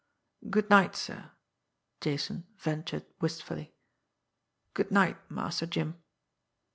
"Good night, sir!" Jason ventured wistfully. "Good night, Master Jim!"